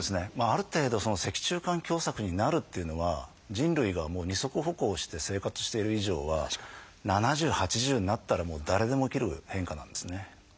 ある程度脊柱管狭窄になるというのは人類が二足歩行をして生活している以上は７０８０になったら誰でも起きる変化なんですね。